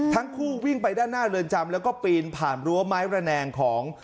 ทั้งคู่วิ่งไปด้านหน้าเรือนจำแล้วก็ปีนผ่านรั้วไม้ระแนงของ